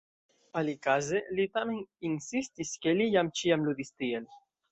Alikaze li tamen insistis, ke li jam ĉiam ludis tiel.